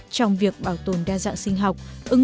trong việc bảo tồn đa dạng sinh học